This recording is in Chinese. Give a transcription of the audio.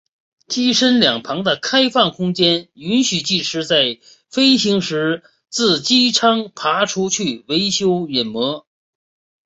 机身两旁的开放空间允许技师在飞行时自机舱爬出去维修引擎。